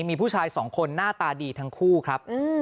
มีผู้ชายสองคนหน้าตาดีทั้งคู่ครับ